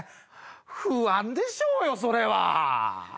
不安でしょうよそれは。